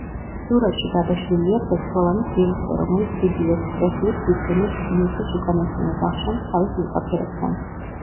სურათში გადაშლილია ცეცხლოვანი სივრცე, რომელიც დიდი ექსპრესიით გვიჩვენებს იესოს უკანასკნელ ვახშამს თავის მოწაფეებთან.